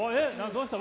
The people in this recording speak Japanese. どうした？